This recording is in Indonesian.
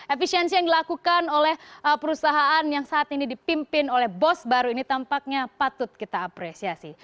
efisiensi yang dilakukan oleh perusahaan yang saat ini dipimpin oleh bos baru ini tampaknya patut kita apresiasi